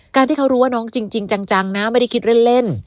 การที่เขารู้ว่าน้องจริงจังนะไม่ได้คิดเล่น